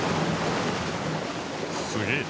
すげえな。